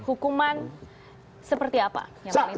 hukuman seperti apa wkwk wkwk